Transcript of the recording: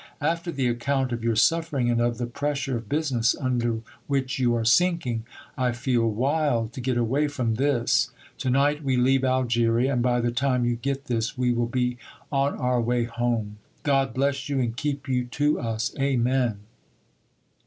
After the account of your suffering, and of the pressure of business under which you are sinking, I feel wild to get away from this. To night we leave Algeria, and by the time you get this we will be on our way home. God bless you and keep you to us. Amen."